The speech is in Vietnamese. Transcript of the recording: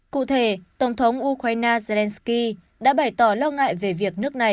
cụ thể tổng thống ukraine zelensky đã bày tỏ lo ngại về việc nước này